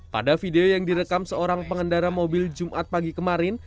pada video yang direkam seorang pengendara mobil jumat pagi kemarin